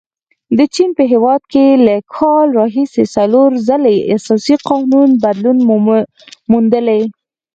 د چین په هیواد کې له کال راهیسې څلور ځلې اساسي قانون بدلون موندلی.